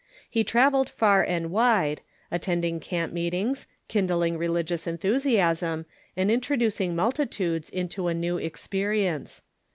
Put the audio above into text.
He travelled far and wide, attending camp meetings, kindling religious enthusiasm, and introducing multitudes into a new experience.